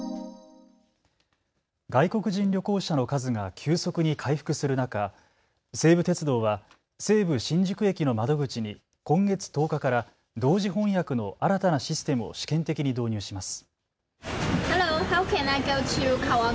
外国人旅行者の数が急速に回復する中、西武鉄道は西武新宿駅の窓口に今月１０日から同時翻訳の新たなシステムを試験的に導入します。